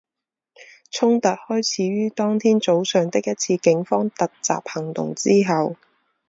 冲突开始于当天早上的一次警方突袭行动之后。